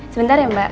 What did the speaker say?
sebentar ya mbak